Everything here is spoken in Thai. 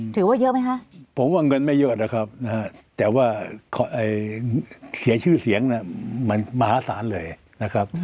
ถือว่าเยอะไหมคะผมว่าเงินไม่เยอะนะครับแต่ว่าเสียชื่อเสียงมันมหาศาลเลยนะครับ